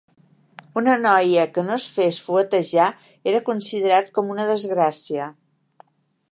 Una noia que no es fes fuetejar era considerat com una desgràcia.